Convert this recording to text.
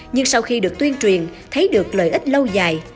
nhưng sau khi được tuyên truyền thấy được lợi ích lâu dài